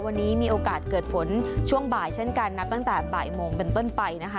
วันนี้มีโอกาสเกิดฝนช่วงบ่ายเช่นกันนับตั้งแต่บ่ายโมงเป็นต้นไปนะคะ